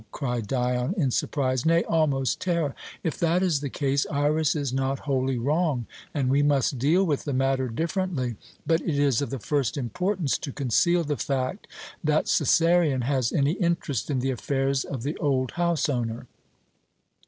cried Dion, in surprise, nay, almost terror. "If that is the case, Iras is not wholly wrong, and we must deal with the matter differently. But it is of the first importance to conceal the fact that Cæsarion has any interest in the affairs of the old house owner.